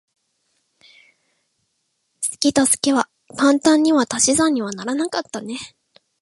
好きと好きは簡単には足し算にはならなかったね。